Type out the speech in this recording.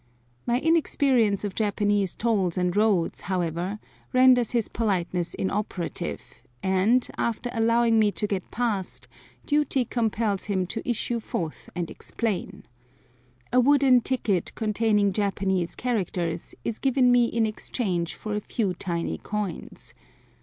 My inexperience of Japanese tolls and roads, however, renders his politeness inoperative, and, after allowing me to get past, duty compels him to issue forth and explain. A wooden ticket containing Japanese characters is given me in exchange for a few tiny coins.